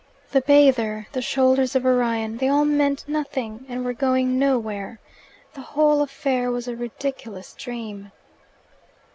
The bather, the shoulders of Orion they all meant nothing, and were going nowhere. The whole affair was a ridiculous dream.